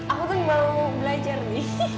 aku tuh mau belajar nih